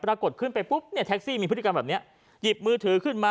ปรากฏขึ้นไปปุ๊บเนี่ยแท็กซี่มีพฤติกรรมแบบนี้หยิบมือถือขึ้นมา